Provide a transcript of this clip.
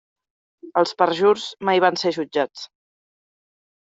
Els perjurs mai van ser jutjats.